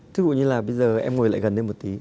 thực sự như là bây giờ em ngồi lại gần lên một tí